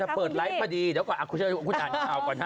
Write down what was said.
จะเปิดไลค์มาดีเดี๋ยวก่อนคุณถ่ายข่าวก่อนนะ